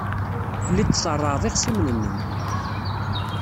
Telliḍ tṣerrɛeḍ ixṣimen-nnem.